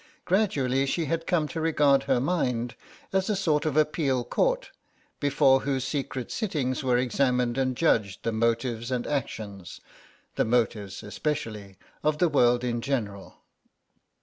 Gradually she had come to regard her mind as a sort of appeal court before whose secret sittings were examined and judged the motives and actions, the motives especially, of the world in general.